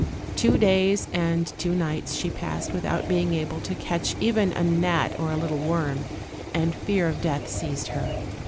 Two days and two nights she passed without being able to catch even a gnat or a little worm, and fear of death seized her.